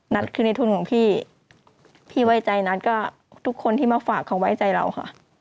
นัทคือในทุนของพี่พี่ไว้ใจนัทก็ทุกคนที่มาฝากเขาไว้ใจเราค่ะ